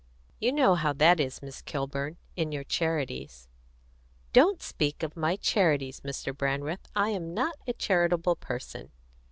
You know how that is, Miss Kilburn, in your charities." "Don't speak of my charities, Mr. Brandreth. I'm not a charitable person."